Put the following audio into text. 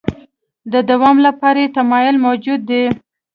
د دوام لپاره یې تمایل موجود دی.